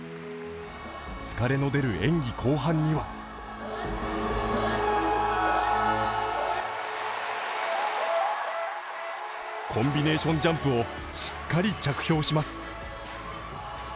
疲れの出る演技後半にはコンビネーションジャンプをしっかり着氷します。